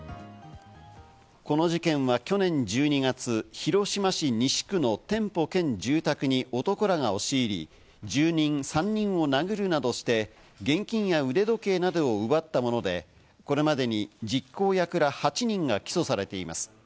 この事件は去年１２月、広島市西区の店舗兼住宅に男らが押し入り、住人３人を殴るなどして、現金や腕時計などを奪ったもので、これまでに実行役ら８人が起訴されています。